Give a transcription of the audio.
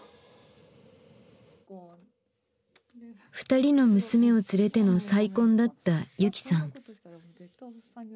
２人の娘を連れての再婚だった雪さん。